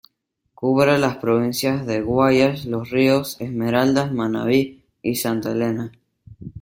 Cubre las provincias de Guayas, Los Ríos, Esmeraldas, Manabí y Santa Elena.